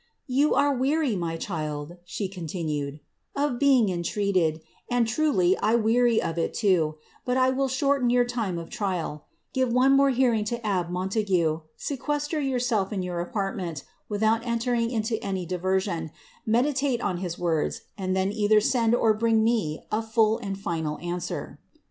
^ You are weary, my child,'^ she continmdf ^ of being entreated, and, truly, I am weary of it too ; but 1 will shorIM your time of trial ; give one hearing more to abbe Montague ; sequesttf yourself in your apartment, without entering into any diversion ; medi tate on his words, and then either send or bring me a full and fiml answer."